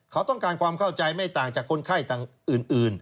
เขาต้องการความเข้าใจไม่ต่างจากคนไข้ต่างอื่น